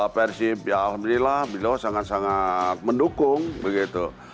persib ya alhamdulillah beliau sangat sangat mendukung begitu